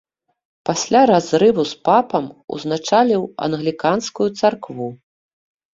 Пасля разрыву з папам узначаліў англіканскую царкву.